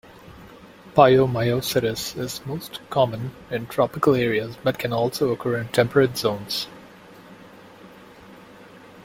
Pyomyositis is most common in tropical areas but can also occur in temperate zones.